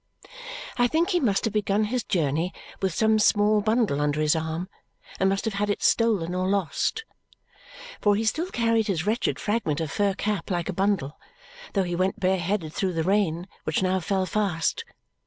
I think he must have begun his journey with some small bundle under his arm and must have had it stolen or lost it. For he still carried his wretched fragment of fur cap like a bundle, though he went bare headed through the rain, which now fell fast.